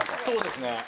そうですね。